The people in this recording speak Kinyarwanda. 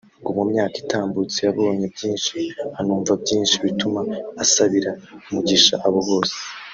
ngo mu myaka itambutse yabonye byinshi anumva byinshi bituma asabira umugisha abo bose